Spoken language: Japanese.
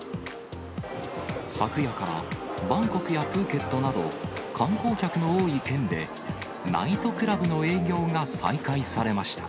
昨夜からバンコクやプーケットなど、観光客の多い県で、ナイトクラブの営業が再開されました。